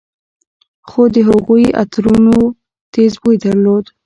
خو د هغوى عطرونو تېز بوى درلود.